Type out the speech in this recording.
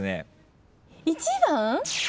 １番。